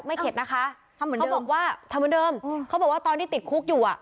เข็ดนะคะทำเหมือนเขาบอกว่าทำเหมือนเดิมเขาบอกว่าตอนที่ติดคุกอยู่อ่ะ